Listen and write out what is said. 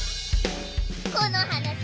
このはなし